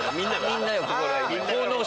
みんなに。